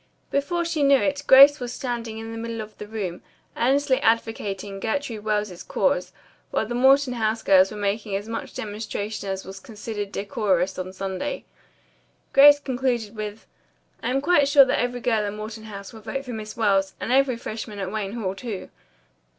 Before she knew it Grace was standing in the middle of the room, earnestly advocating Gertrude Wells's cause, while the Morton House girls were making as much demonstration as was considered decorous on Sunday. Grace concluded with, "I'm quite sure that every girl at Morton House will vote for Miss Wells and every freshman at Wayne Hall, too.